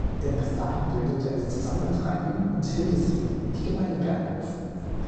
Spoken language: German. Denn bis dahin bildete es zusammen mit Rain und Hildisrieden die Gemeinde Berghof.